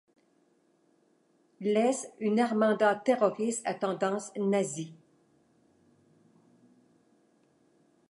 L' est une armada terroriste à tendance nazie.